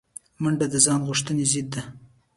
منډه د ځان غوښتنې ضد ده